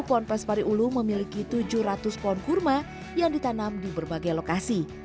pohon pestari ulu memiliki tujuh ratus pohon kurma yang ditanam di berbagai lokasi